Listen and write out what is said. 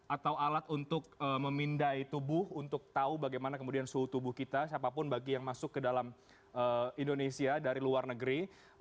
atau alat untuk memindai tubuh untuk tahu bagaimana kemudian suhu tubuh kita siapapun bagi yang masuk ke dalam indonesia dari luar negeri